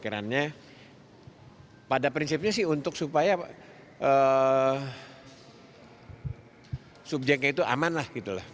pemikirannya pada prinsipnya sih untuk supaya subjeknya itu aman lah